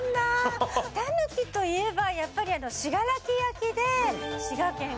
タヌキといえばやっぱり信楽焼で滋賀県かな。